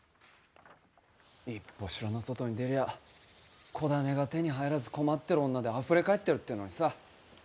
一歩、城の外に出りゃ子種が手に入らず困ってる女であふれかえってるってのにさ。